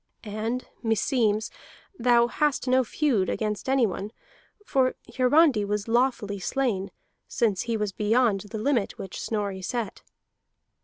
And meseems thou hast no feud against anyone; for Hiarandi was lawfully slain, since he was beyond the limit which Snorri set."